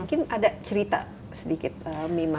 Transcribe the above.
mungkin ada cerita sedikit mima